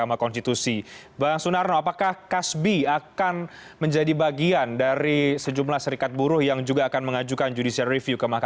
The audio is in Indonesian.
bang sunarno apakah kasbi akan menjadi bagian dari sejumlah serikat buruh yang juga akan mengajukan judicial review ke mahkamah